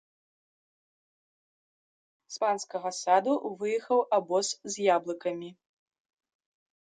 З панскага саду выехаў абоз з яблыкамі.